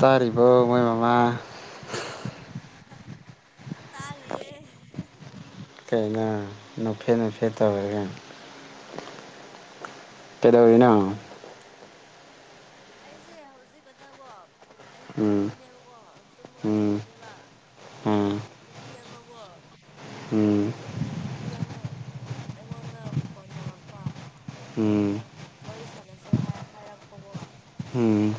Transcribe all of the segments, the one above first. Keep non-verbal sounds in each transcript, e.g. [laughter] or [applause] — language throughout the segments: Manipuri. ꯇꯥꯔꯤꯕꯣ ꯃꯣꯏ ꯃꯃꯥ ꯇꯥꯔꯤꯌꯦ ꯀꯩꯅꯣ ꯅꯣꯛꯐꯦꯠ ꯅꯣꯛꯐꯦꯠ ꯇꯧꯔꯒ ꯀꯩꯗꯧꯔꯤꯅꯣ ꯑꯩꯁꯦ ꯍꯧꯖꯤꯛ ꯈꯛꯇꯀꯣ ꯑꯩ ꯎꯝ ꯇꯨꯝꯕꯅꯦꯕꯀꯣ ꯇꯨꯝꯃꯒ ꯎꯝ ꯂꯩꯕꯅꯦꯕ ꯑꯗꯣ ꯎꯝ ꯅꯨꯄꯤ ꯑꯃꯒꯣ ꯎꯝ ꯅꯨꯄꯤ ꯑꯃ ꯑꯩꯉꯣꯟꯗ ꯐꯣꯟ ꯇꯧꯔꯛꯄ ꯎꯝ ꯊꯣꯔꯛꯄ ꯋꯥꯔꯤ ꯁꯥꯟꯅꯁꯦ ꯍꯥꯏ ꯍꯥꯏꯔꯛꯄꯀꯣ ꯎꯝ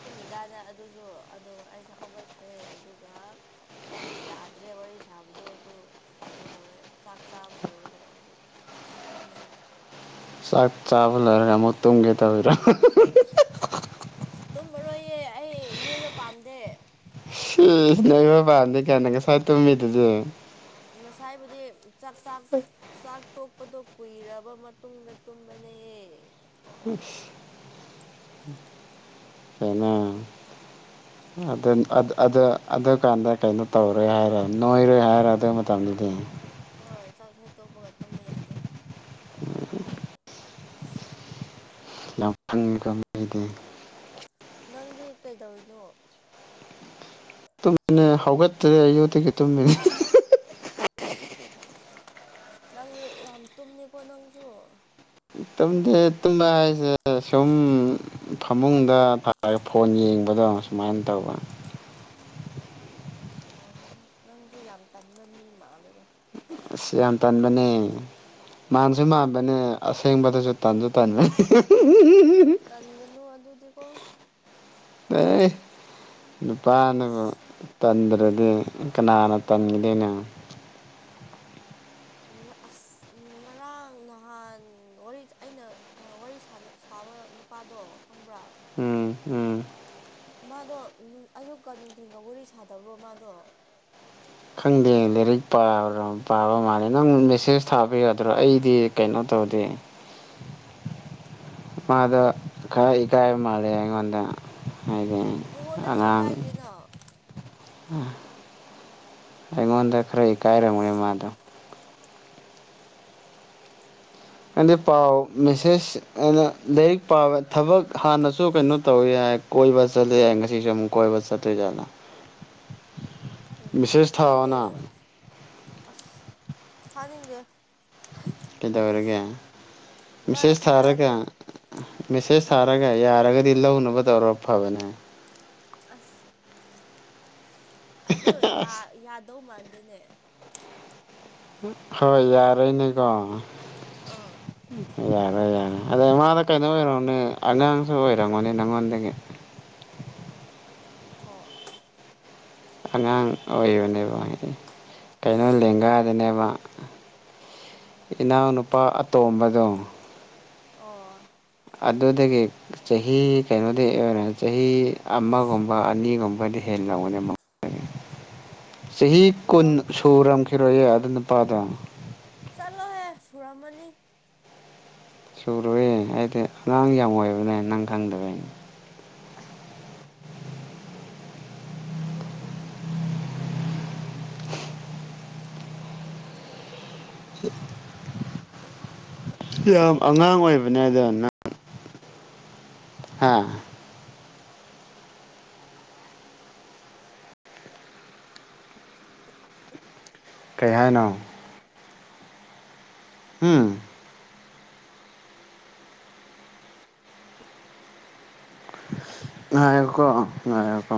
ꯇꯨꯝꯃꯤꯀꯥꯟꯗ ꯑꯗꯨꯁꯨ ꯑꯗꯣ ꯑꯩꯁꯦ ꯍꯧꯒꯠꯈ꯭ꯔꯦ ꯑꯗꯨꯒ ꯌꯥꯗ꯭ꯔꯦ ꯋꯥꯔꯤ ꯁꯥꯕꯗꯣ ꯑꯗꯨ ꯀꯩꯅꯣ ꯇꯣꯔꯦ ꯆꯥꯛ ꯆꯥꯕ ꯂꯣꯏꯔꯒ ꯍꯧꯖꯤꯛ ꯁꯨꯝ ꯐꯝꯕꯅꯤꯗ ꯆꯥꯛ ꯆꯥꯕ ꯂꯣꯏꯔꯒ ꯑꯃꯨꯛ ꯇꯨꯝꯒꯦ ꯇꯧꯔꯤꯔꯣ ꯑꯁ ꯇꯨꯝꯃꯤꯔꯣꯏꯌꯦ ꯑꯩ ꯅꯣꯏꯕ ꯄꯥꯝꯗꯦ ꯏꯁ ꯅꯣꯏꯕ ꯄꯥꯝꯗꯦ ꯀꯥꯏꯅ ꯉꯁꯥꯏ ꯇꯃꯤꯗꯨꯗꯤ ꯉꯁꯥꯏꯕꯨꯗꯤ ꯆꯥꯛ ꯆꯥꯛ ꯆꯥꯛ ꯇꯣꯛꯄꯗꯣ ꯀꯨꯏꯔꯕ ꯃꯇꯨꯡꯗ ꯇꯨꯝꯕꯅꯦ ꯏꯁ ꯀꯩꯅꯣ [unintelligible] ꯑꯗꯨꯀꯥꯟꯗ ꯀꯩꯅꯣ ꯇꯧꯔꯣꯏ ꯍꯥꯏꯔꯦ ꯅꯣꯏꯔꯣꯏ ꯍꯥꯏꯔꯣ ꯑꯗꯨ ꯃꯇꯝꯗꯨꯗꯤ ꯍꯣꯏ ꯆꯥꯛ ꯍꯦꯛ ꯇꯣꯛꯄꯒ ꯇꯨꯝꯕ ꯌꯥꯗꯦ [inaudible] ꯌꯥꯝ ꯈꯡꯉꯤꯀꯣ ꯃꯤꯗꯤ ꯅꯪꯗꯤ ꯀꯩꯗꯧꯔꯤꯅꯣ ꯇꯨꯝꯃꯤꯅꯦ ꯍꯧꯒꯠꯇ꯭ꯔꯦ ꯑꯌꯨꯛꯇꯒꯤ ꯇꯨꯝꯃꯤꯅꯤ ꯑꯁ ꯅꯪ ꯌꯥꯝ ꯇꯨꯝꯃꯦꯀꯣ ꯅꯪꯁꯨ ꯇꯨꯝꯗꯦ [unintelligible] ꯍꯥꯏꯁꯦ ꯁꯨꯝ ꯐꯃꯨꯡꯗ ꯐꯣꯟ ꯌꯦꯡꯕꯗꯣ ꯁꯨꯃꯥꯏꯅ ꯇꯧꯕ ꯑꯁ ꯂꯣꯔꯦꯍꯦ ꯅꯪꯁꯨ ꯌꯥꯝ ꯇꯟꯕ ꯃꯤ ꯃꯥꯜꯂꯦꯗ ꯑꯁ ꯌꯥꯝ ꯇꯟꯕꯅꯦ ꯃꯥꯟꯁꯨ ꯃꯥꯟꯕꯅꯦ ꯑꯁꯦꯡꯕꯗꯁꯨ ꯇꯟꯁꯨ ꯇꯟꯕ [unintelligible] ꯇꯟꯒꯅꯨ ꯑꯗꯨꯗꯤꯀꯣ ꯑꯦ ꯅꯨꯄꯥꯅꯕꯨ ꯇꯟꯗ꯭ꯔꯗꯤ ꯀꯅꯥꯅ ꯇꯟꯒꯗꯨꯏꯅꯣ ꯑꯣ ꯑꯁ ꯉꯔꯥꯡ ꯅꯍꯥꯟ ꯋꯥꯔꯤ ꯑꯩꯅ ꯋꯥꯔꯤ ꯁꯥꯅ ꯁꯥꯕ ꯅꯨ ꯄꯥꯥꯗꯣ ꯈꯪꯕ꯭ꯔꯥ ꯎꯝ ꯎꯝ ꯃꯥꯗꯣ ꯑꯌꯨꯛꯀ ꯅꯨꯡꯊꯤꯟꯒ ꯋꯥꯔꯤ ꯁꯥꯗꯕ꯭ꯔꯣ ꯃꯥꯗꯣ ꯈꯪꯗꯦ ꯂꯥꯏꯔꯤꯛ ꯄꯥꯕꯔꯣ ꯄꯥꯕ ꯃꯥꯜꯂꯦ ꯅꯪ ꯃꯦꯁꯦꯁ ꯊꯥꯕ ꯌꯥꯗ꯭ꯔꯣ ꯑꯩꯗꯤ ꯀꯩꯅꯣ ꯇꯧꯗꯦ ꯃꯥꯗꯣ ꯈꯔꯥ ꯏꯀꯥꯏꯕ ꯃꯥꯜꯂꯦ ꯑꯩꯉꯣꯟꯗ ꯍꯥꯏꯗꯤ ꯑꯩꯉꯣꯟꯗꯗꯤ ꯑꯉꯥꯡ ꯏꯀꯥꯏꯗꯦꯅ ꯑꯩꯉꯣꯟꯗ ꯈꯔꯥꯥ ꯀꯥꯏꯔꯝꯒꯅꯤ ꯃꯥꯗꯣ ꯅꯡꯗꯤ ꯄꯥꯎ ꯃꯦꯁꯦꯁ ꯑꯅ ꯂꯥꯏꯔꯤꯛ ꯄꯥꯕ ꯊꯕꯛ ꯍꯥꯟꯅꯁꯨ ꯀꯩꯅꯣ ꯇꯧꯋꯤ ꯍꯥꯏ ꯀꯣꯏꯕ ꯆꯠꯂꯦ ꯍꯥꯏ [unintelligible] ꯑꯃꯨꯛ ꯀꯣꯏꯕ ꯆꯠꯂꯤ ꯖꯥꯠꯂ ꯑꯣ ꯃꯤꯁꯦꯁ ꯊꯥꯑꯣꯅ ꯈꯪꯗꯦ ꯑꯁ ꯊꯥꯅꯤꯡꯗꯦ ꯀꯩꯗꯧꯔꯒꯦ ꯃꯥꯅ ꯃꯦꯁꯦꯖ ꯊꯥꯔꯒ ꯊꯥꯔꯛꯑꯗꯤ ꯃꯦꯁꯦꯁ ꯊꯥꯔꯒ ꯌꯥꯔꯒꯗꯤ ꯂꯧꯅꯕ ꯇꯧꯔ ꯐꯕꯅꯦ ꯑꯁ ꯑ ꯌꯥꯗꯧ ꯃꯥꯟꯗꯦꯅꯦ ꯍꯣꯏ ꯌꯥꯔꯦꯅꯦꯀꯣ ꯑꯥ ꯌꯥꯔꯦ ꯌꯥꯔꯦ ꯑꯗꯩ ꯃꯥꯅ ꯀꯩꯅꯣ ꯑꯣꯏꯔꯝꯅꯦ ꯑꯉꯥꯡꯁꯨ ꯑꯣꯏꯔꯝꯒꯅꯤ ꯅꯪꯉꯣꯟꯗꯒꯤ ꯑꯣ ꯑꯉꯥꯡ ꯑꯣꯏꯕꯅꯦꯕ ꯍꯥꯏꯗꯤ ꯀꯩꯅꯣ ꯂꯦꯡꯒꯥꯗꯅꯦꯕ ꯏꯅꯥꯎ ꯅꯨꯄꯥ ꯑꯇꯣꯝꯕꯗꯣ ꯑꯣ ꯑꯗꯨꯗꯒꯤ ꯆꯍꯤ ꯀꯩꯅꯣꯗꯤ ꯆꯍꯤ ꯑꯃꯒꯨꯝꯕ ꯑꯅꯤꯒꯨꯝꯕꯗꯤ ꯍꯦꯟꯔꯝꯒꯅꯤ ꯃꯉꯣꯟꯗꯒꯤ ꯆꯍꯤ ꯀꯨꯟ ꯅꯅꯥꯎ ꯁꯨꯨꯔꯝꯈꯤꯔꯣꯏꯌꯦ ꯑꯗꯨ ꯅꯨꯄꯥꯥꯗꯣ ꯑꯦ ꯁꯨꯔꯝꯃꯅꯤ ꯁꯨꯔꯣꯏꯌꯦ ꯍꯥꯏꯗꯤ ꯑꯉꯥꯡ ꯌꯥꯝ ꯑꯣꯏꯕꯅꯦ ꯅꯪ ꯈꯪꯗꯕꯩꯅꯦ [inaudible] ꯌꯥꯝ ꯑꯉꯥꯡ ꯑꯣꯏꯕꯅꯦ ꯑꯗ ꯅꯪ ꯍꯥ ꯀꯩ ꯍꯥꯏꯅꯣ ꯍꯨꯝ ꯉꯥꯢꯌꯨꯀꯣ ꯉꯥꯢꯌꯨꯀꯣ